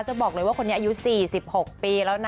จะบอกเลยว่าคนนี้อายุ๔๖ปีแล้วนะ